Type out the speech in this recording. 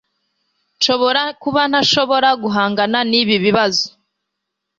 Nshobora kuba ntashobora guhangana nibi bibazo